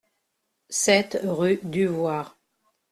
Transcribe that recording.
sept rue Duvoir